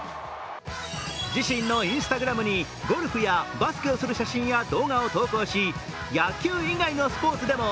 自身のＩｎｓｔａｇｒａｍにゴルフやバスケをする写真や動画を投稿し、野球以外のスポーツでも